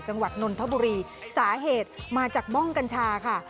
จังหวัดนทบุรีสาเหตุมาจากม่องกัญชาค่ะ